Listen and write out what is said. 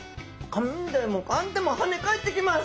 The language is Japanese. かんでもかんでも跳ね返ってきます。